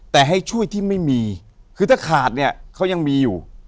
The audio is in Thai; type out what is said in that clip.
แต่ให้ช่วยที่ไม่มีคือถ้าขาดเนี่ยเขายังมีอยู่